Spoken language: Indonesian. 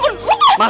lo pasir dong raja